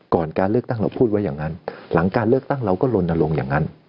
การเลือกตั้งเราพูดไว้อย่างนั้นหลังการเลือกตั้งเราก็ลนลงอย่างนั้น